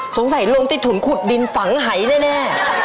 สงสัยลงติดถุนขุดดินฝังหายแน่